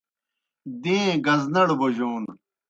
دَیں گزنَڑ بوجون